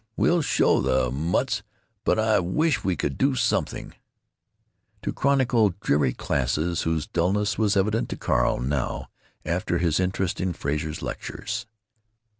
we'll show the mutts, but I wish we could do something"; to chronicle dreary classes whose dullness was evident to Carl, now, after his interest in Frazer's lectures.